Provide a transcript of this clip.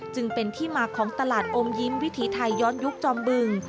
จึงเป็นที่มาของตลาดอมยิ้มวิถีไทยย้อนยุคจอมบึง